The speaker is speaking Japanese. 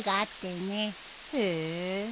へえ。